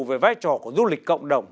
về vai trò của du lịch cộng đồng